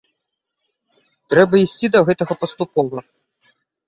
Трэба ісці да гэтага паступова.